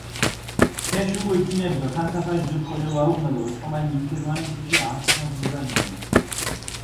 თეშ უკულ თინეფს დოქანცაფაშ დუდი ხოლო ვაუღუნა დო ოჭკომალ მინქირუანინ თიშენ ამშვი თუთას ლურანია.